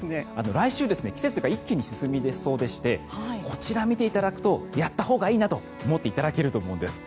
来週、季節が一気に進みそうでしてこちらを見ていただくとやったほうがいいなと思っていただけると思うんです。